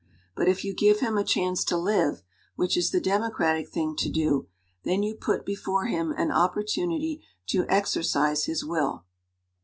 But if you give him a chance to live which is the demo cratic thing to do then you put before him an opportunity to exercise his will."